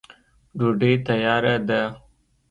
ډوډۍ تیاره ده.